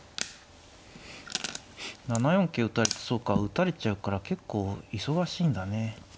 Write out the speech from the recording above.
７四桂打たれてそうか打たれちゃうから結構忙しいんだね。